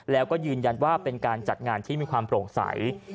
แล้วก็ยืนยันว่าเป็นการจัดงานที่มีความโปร่งใส